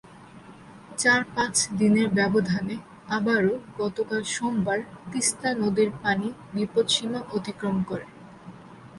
চার–পাঁচ দিনের ব্যবধানে আবারও গতকাল সোমবার তিস্তা নদীর পানি বিপৎসীমা অতিক্রম করে।